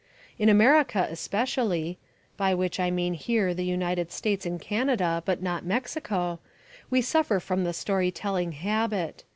In America especially (by which I mean here the United States and Canada, but not Mexico) we suffer from the story telling habit.